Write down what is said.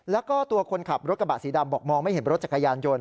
แล้วก็ตัวคนขับรถกระบะสีดำบอกมองไม่เห็นรถจักรยานยนต